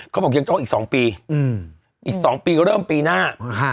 เขาบอกยังต้องอีกสองปีอืมอีกสองปีก็เริ่มปีหน้าอ่าฮะ